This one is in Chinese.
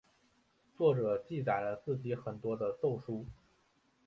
作者记载了很多自己的奏疏。